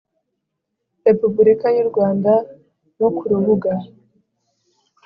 Repubulika y u Rwanda no ku rubuga